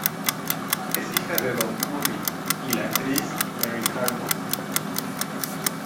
Es hija de Don Currie y la actriz Marie Harmon.